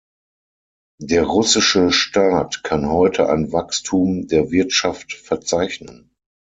Der russische Staat kann heute ein Wachstum der Wirtschaft verzeichnen.